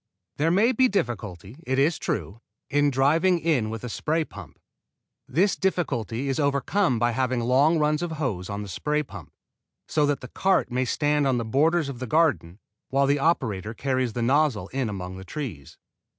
There may be difficulty, it is true, in driving in with a spray pump. This difficulty is overcome by having long runs of hose on the spray pump, so that the cart may stand on the borders of the garden while the operator carries the nozzle in among the trees.